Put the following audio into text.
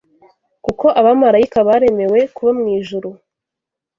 kuko abamarayika baremewe kuba mu ijuru